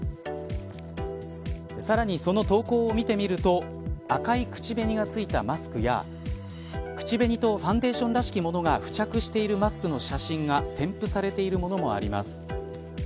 さらに、その投稿を見てみると赤い口紅がついたマスクや口紅とファンデーションらしきものが付着しているマスクの写真が添付されているものもあります。